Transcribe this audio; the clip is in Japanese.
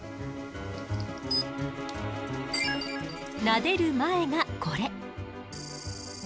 なでる前がこれ。